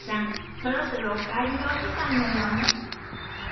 そろそろお帰りのお時間のようね。